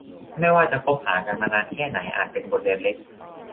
ไม่ว่าจะคบหากันมานานแค่ไหนอาจเป็นบทเรียนเล็ก